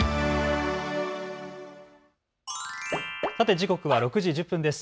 時刻は６時１０分です。